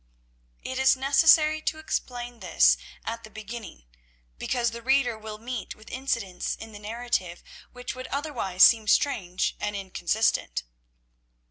It is necessary to explain this at the beginning, because the reader will meet with incidents in the narrative which would otherwise seem strange and inconsistent.